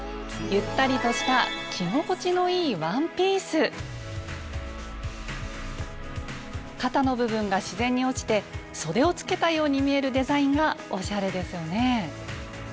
ゆったりとした肩の部分が自然に落ちてそでをつけたように見えるデザインがおしゃれですよね。